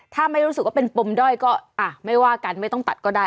ถ้าไม่รู้สึกว่าเป็นปมด้อยก็ไม่ว่ากันไม่ต้องตัดก็ได้